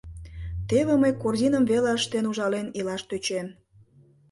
Теве мый корзиным веле ыштен ужален илаш тӧчем...